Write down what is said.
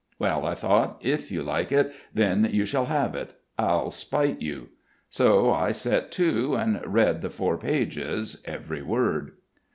'Well,' I thought, 'if you like it, then you shall have it. I'll spite you.' So I set to and read the four pages, every word."